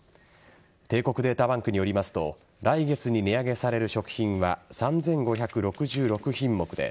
帝国データバンクによりますと来月に値上げされる食品は３５６６品目で